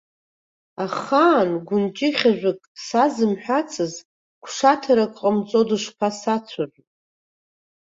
Ахаан гәынҷыхь ажәак сазымҳәацыз, гәшаҭарак ҟамҵо, дышԥасацәажәо!